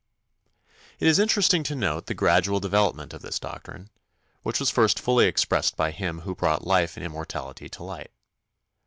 It is interesting to note the gradual development of this doctrine, which was first fully expressed by Him who brought life and immortality to light.